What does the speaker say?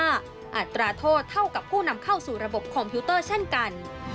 อัตราโทษเท่ากับผู้นำเข้าสู่ระบบคอมพิวเตอร์เช่นกัน